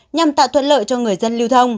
nhằm tạo thuận lợi cho người dân lưu thông